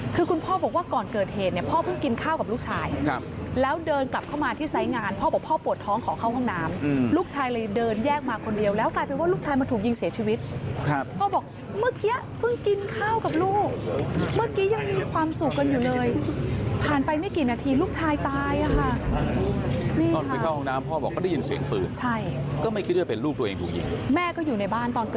คือคุณพ่อบอกว่าก่อนเกิดเหตุเนี่ยพ่อเพิ่งกินข้าวกับลูกชายแล้วเดินกลับเข้ามาที่ไซส์งานพ่อบอกพ่อปวดท้องขอเข้าห้องน้ำลูกชายเลยเดินแยกมาคนเดียวแล้วกลายเป็นว่าลูกชายมาถูกยิงเสียชีวิตครับพ่อบอกเมื่อกี้เพิ่งกินข้าวกับลูกเมื่อกี้ยังมีความสุขกันอยู่เลยผ่านไปไม่กี่นาทีลูกชายตายอ่ะค่ะ